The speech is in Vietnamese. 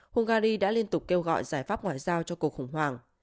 hungary đã liên tục kêu gọi giải pháp ngoại giao cho cuộc khủng hoảng